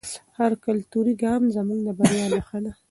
هر کلتوري ګام زموږ د بریا نښه ده.